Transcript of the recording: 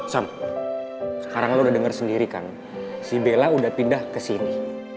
sam sekarang lo udah denger sendiri kan si bella udah pindah kesini